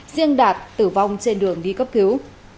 giang đạt tử vong trên đường đi cấp cứu